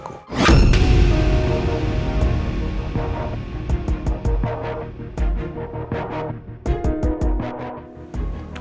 aku mau pergi